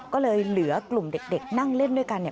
ก็เลยเหลือกลุ่มเด็กนั่งเล่นด้วยกัน